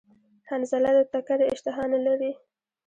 حنظله د تکری اشتها نلری